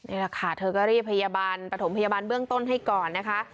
นี่แหละค่ะเธอก็รีบพยาบาลประถมพยาบาลเบื้องต้นให้ก่อนนะคะ